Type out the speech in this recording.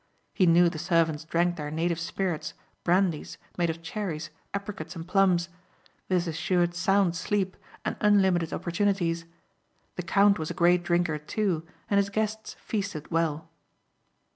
He knew the servants drank their native spirits, brandies, made of cherries, apricots and plums. This assured sound sleep and unlimited opportunities. The count was a great drinker, too, and his guests feasted well.